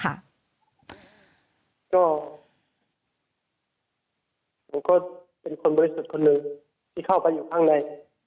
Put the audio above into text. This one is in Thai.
ผมก็เป็นคนบริสุทธิ์คนหนึ่งที่เข้าไปอยู่ข้างใน